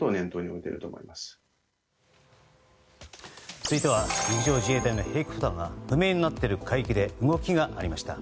続いては陸上自衛隊のヘリコプターが不明になっている海域で動きがありました。